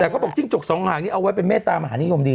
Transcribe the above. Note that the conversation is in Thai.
แต่เขาบอกจิ้งจกสองหางนี้เอาไว้เป็นเมตตามหานิยมดี